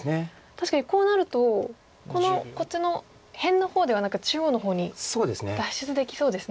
確かにこうなるとこっちの辺の方ではなく中央の方に脱出できそうですね。